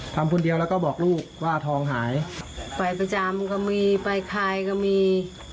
ทำคนเดียวแล้วก็บอกลูกว่าทองหายไปประจำก็มีไปขายก็มี